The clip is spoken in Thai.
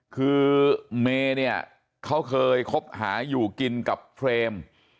คือเมย์เนี่ยเขาเคยคบหาอยู่กินกับเฟรม